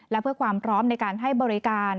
และเพื่อความพร้อมในการให้บริการ